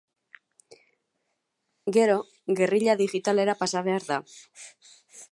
Gero, gerrilla digitalera pasa behar da.